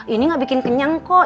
ini gak bikin kenyang kok